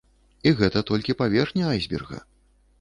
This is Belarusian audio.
І гэта толькі паверхня айсберга.